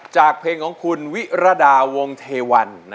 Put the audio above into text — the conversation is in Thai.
จากเพลงของคุณวิรดาวงเทวัน